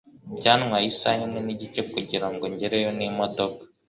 Byantwaye isaha nigice kugirango ngereyo n'imodoka.